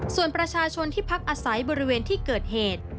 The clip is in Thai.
ส่วนประชาชนที่พักอาศัยบริเวณที่เกิดเหตุ